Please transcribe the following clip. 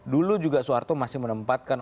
dulu juga soeharto masih menempatkan